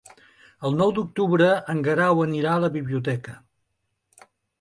El nou d'octubre en Guerau anirà a la biblioteca.